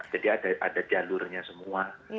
jadi ada jalurnya semua